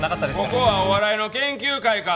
ここはお笑いの研究会か！